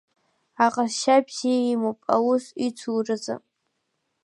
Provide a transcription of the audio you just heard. Аҟазшьа бзиа имоуп аус ицуразы…